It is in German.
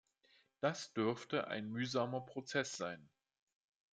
Das dürfte ein mühsamer Prozess sein.